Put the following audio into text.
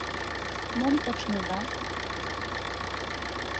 Мом почнеда?